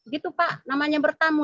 gitu pak namanya bertamu